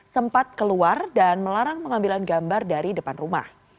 sempat keluar dan melarang pengambilan gambar dari depan rumah